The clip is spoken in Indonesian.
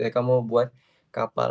kamu buat kapal